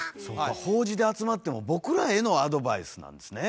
法事で集まっても僕らへのアドバイスなんですね。